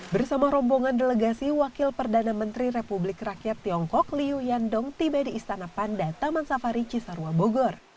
bersama rombongan delegasi wakil perdana menteri republik rakyat tiongkok liu yandong tiba di istana panda taman safari cisarua bogor